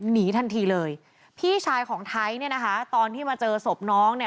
หนีทันทีเลยพี่ชายของไทยเนี่ยนะคะตอนที่มาเจอศพน้องเนี่ย